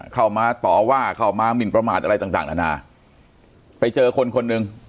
เข้ามาต่อว่าเข้ามาหมินประมาทอะไรต่างต่างนานาไปเจอคนคนหนึ่ง